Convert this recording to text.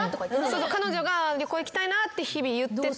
そうそう彼女が「旅行行きたいな」って日々言ってて。